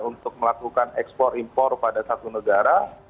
untuk melakukan ekspor impor pada satu negara